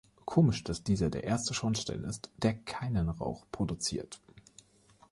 Komisch, dass dieser der einzige Schornstein ist, der keinen Rauch produziert.